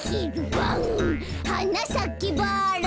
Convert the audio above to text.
「はなさけバラ」